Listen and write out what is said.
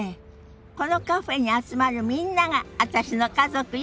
このカフェに集まるみんなが私の家族よ。